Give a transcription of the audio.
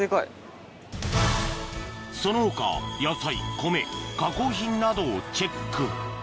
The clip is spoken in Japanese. その他野菜米加工品などをチェック